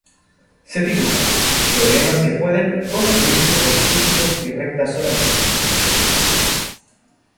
Se titula "Problemas que pueden construirse con círculos y rectas solamente.